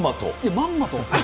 まんまと。